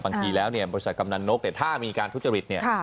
บางทีแล้วเนี่ยบริษัทกำนันนกเนี่ยถ้ามีการทุจริตเนี่ย